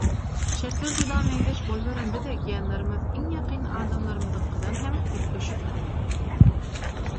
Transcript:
Şertler juda meňzeş boluberende-de genlerimiz iň ýakyn adamlarymyzyňkydan hem üýtgeşik.